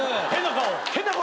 変な顔。